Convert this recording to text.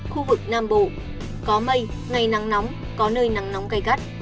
khu vực nam bộ có mây ngày nắng nóng có nơi nắng nóng gai gắt